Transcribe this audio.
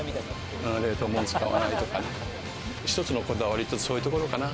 冷凍物を使わないとか、一つのこだわりはそういうところかな。